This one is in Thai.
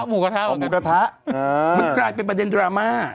หมูกระทะมันกลายเป็นประเด็นดราม่า